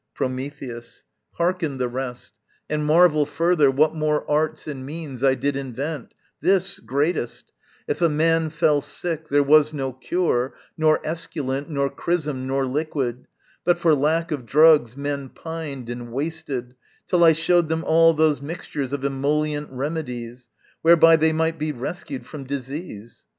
Prometheus. Hearken the rest, And marvel further, what more arts and means I did invent, this, greatest: if a man Fell sick, there was no cure, nor esculent Nor chrism nor liquid, but for lack of drugs Men pined and wasted, till I showed them all Those mixtures of emollient remedies Whereby they might be rescued from disease.